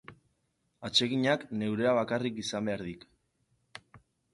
Atseginak neurea bakarrik izan behar dik.